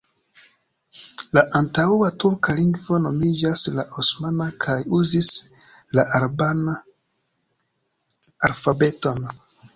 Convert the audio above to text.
La antaŭa turka lingvo nomiĝas la osmana kaj uzis la araban alfabeton.